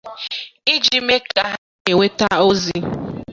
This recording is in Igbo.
iji mee ka ha na-enwete ozi